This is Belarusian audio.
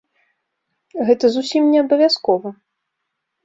Гэта зусім не абавязкова.